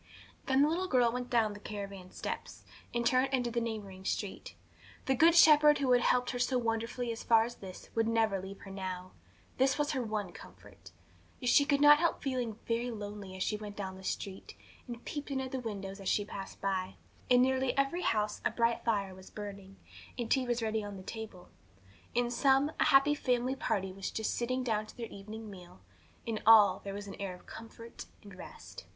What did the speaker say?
Then the little girl went down the caravan steps, and turned into the neighbouring street. The Good Shepherd who had helped her so wonderfully as far as this would never leave her now. This was her one comfort. Yet she could not help feeling very lonely as she went down the street, and peeped in at the windows as she passed by. In nearly every house a bright fire was burning, and tea was ready on the table; in some, a happy family party was just sitting down to their evening meal; in all, there was an air of comfort and rest.